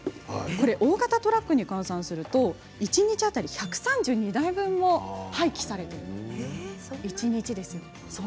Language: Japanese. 大型トラックに換算すると一日当たり１３２台分も廃棄されているんです。